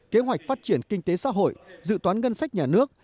kế hoạch phát triển kinh tế xã hội dự toán ngân sách nhà nước